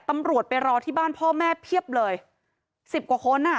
ตำรวจไปรอที่บ้านพ่อแม่เพียบเลยสิบกว่าคนอ่ะ